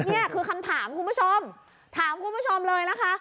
นี่คือคำถามคุณผู้ชมถามคุณผู้ชมเลยนะคะ